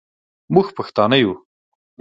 موږ پښتانه یو